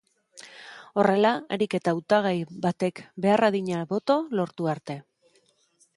Horrela, harik eta hautagai batek behar adina boto lortu arte.